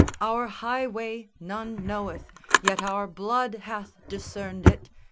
Our highway none knoweth, Yet our blood hath discerned it!